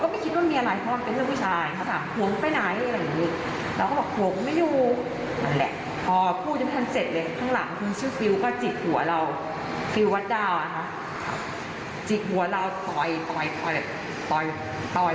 เป็นแบบก็หลากอีกตอย